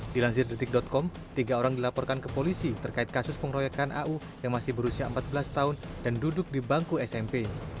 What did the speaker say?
dilansir detik com tiga orang dilaporkan ke polisi terkait kasus pengeroyokan au yang masih berusia empat belas tahun dan duduk di bangku smp